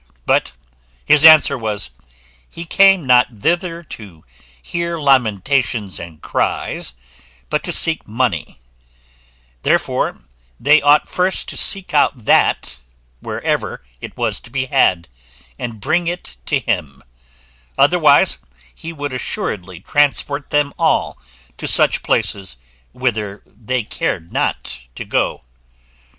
But his answer was, "He came not thither to hear lamentations and cries, but to seek money: therefore they ought first to seek out that, wherever it was to be had, and bring it to him; otherwise he would assuredly transport them all to such places whither they cared not to go."